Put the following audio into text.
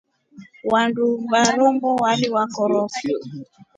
Wandu va Rombo waliwakurufo.